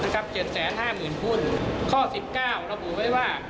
นะครับเจ็ดแสนห้าหมื่นหุ้นข้อสิบเก้าเราบูรณ์ไว้ว่า